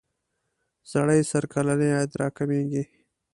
سړي سر کلنی عاید را کمیږی.